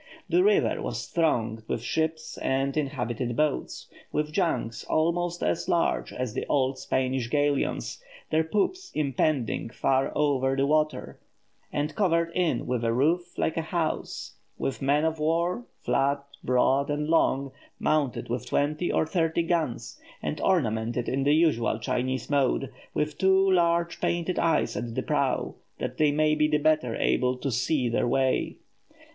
The river was thronged with ships and inhabited boats with junks almost as large as the old Spanish galleons, their poops impending far over the water, and covered in with a roof, like a house; with men of war, flat, broad, and long, mounted with twenty or thirty guns, and ornamented in the usual Chinese mode, with two large painted eyes at the prow, that they may be the better able to see their way.